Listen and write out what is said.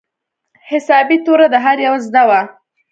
حسابي توره د هر يوه زده وه.